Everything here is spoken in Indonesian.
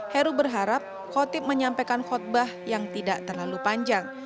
heru berharap khotib menyampaikan khutbah yang tidak terlalu panjang